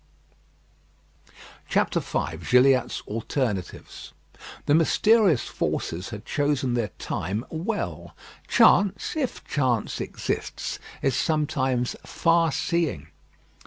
V GILLIATT'S ALTERNATIVES The mysterious forces had chosen their time well. Chance, if chance exists, is sometimes far seeing.